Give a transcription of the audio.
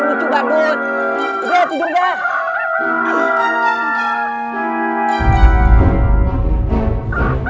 iya bapaknya kok sekarang makin rame